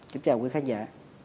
xin chào quý khán giả